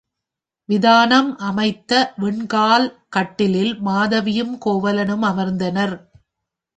விதானம் அமைத்த வெண்கால் கட்டிலில் மாதவியும் கோவலனும் அமர்ந்தனர்.